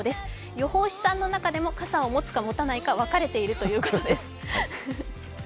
予報士さんの中でも傘を持つか持たないか分かれているということです。